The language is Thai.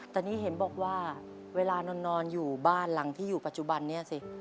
แต่นี่เห็นบอกว่าเวลานอนอยู่บ้านหลังที่อยู่ปัจจุบันนี้สิ